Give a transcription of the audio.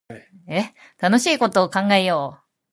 楽しいこと考えよう